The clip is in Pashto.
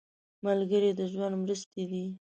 ملګری د ژوند مرستې دی